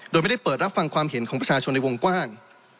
โดยไม่ได้เปิดรับฟังความเห็นของประชาชนในวงกว้าง